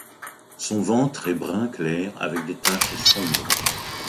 Son ventre est brun clair avec des taches sombres.